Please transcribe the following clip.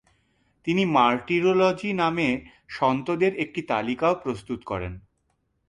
তিনি মার্টিরোলজি নামে সন্তদের একটি তালিকাও প্রস্তুত করেন।